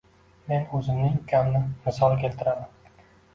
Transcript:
—Men o‘zimning ukamni misol keltiraman.